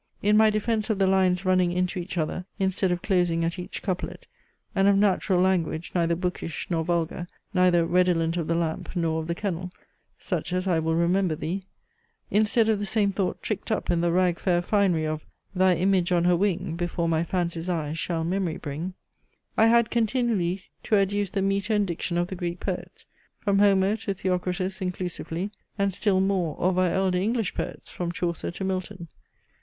In my defence of the lines running into each other, instead of closing at each couplet; and of natural language, neither bookish, nor vulgar, neither redolent of the lamp, nor of the kennel, such as I will remember thee; instead of the same thought tricked up in the rag fair finery of, thy image on her wing Before my fancy's eye shall memory bring, I had continually to adduce the metre and diction of the Greek poets, from Homer to Theocritus inclusively; and still more of our elder English poets, from Chaucer to Milton.